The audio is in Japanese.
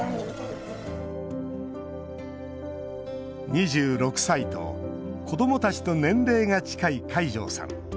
２６歳と子どもたちと年齢が近い海上さん。